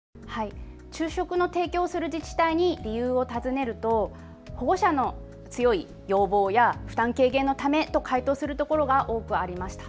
昼食の提供をする自治体に理由を尋ねると保護者の強い要望や負担軽減のためと回答するところが多くありました。